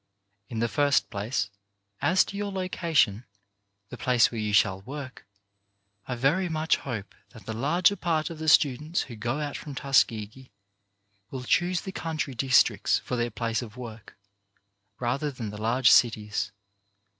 In the first place, as to your location — the place where you shall work. I very much hope that the larger part of the students who go out from Tuskegee will choose the country districts for their place of work, rather than the large cities.